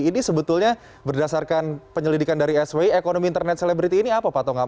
ini sebetulnya berdasarkan penyelidikan dari swi ekonomi internet selebriti ini apa pak tongam